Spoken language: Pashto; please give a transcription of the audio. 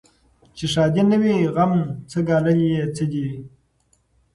چي ښادي نه وي غم څه ګالل یې څه دي